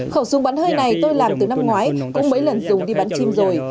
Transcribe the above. khẩu súng bắn hơi này tôi làm từ năm ngoái cũng mấy lần dùng đi bắn chim rồi